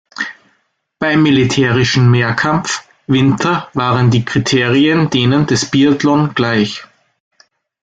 Beim Militärischen Mehrkampf Winter waren die Kriterien denen des Biathlon gleich.